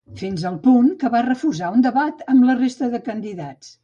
Fins al punt que va refusar un debat amb la resta de candidats.